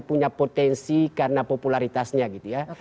punya potensi karena popularitasnya gitu ya